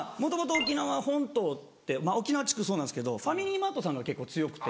沖縄地区そうなんですけどファミリーマートさんが結構強くて。